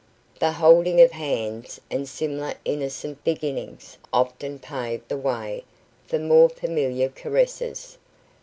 The holding of hands and similar innocent beginnings often pave the way for more familiar caresses.